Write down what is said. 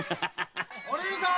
お凛さん！